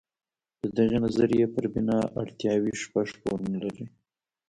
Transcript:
د دغې نظریې پر بنا اړتیاوې شپږ پوړونه لري.